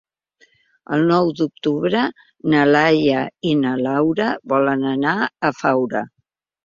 El nou d'octubre na Laia i na Laura volen anar a Faura.